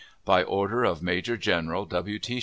By order of Major General W. T.